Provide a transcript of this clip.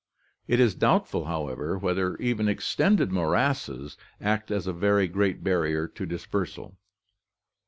It is doubtful, however, whether even extended morasses act as a very great barrier to dispersal.